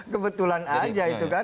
kebetulan saja itu kan